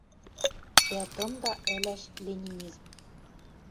Дӓ тымда ӹлӓш ленинизм.